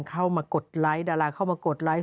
เข้ามากดไลค์ดาราเข้ามากดไลค์